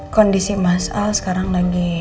kondisi mas a sekarang lagi